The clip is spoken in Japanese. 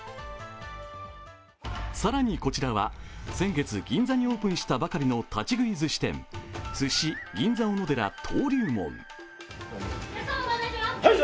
更にこちらは先月、銀座にオープンしたばかりの立ち食いずし店、鮨銀座おのでら登竜門。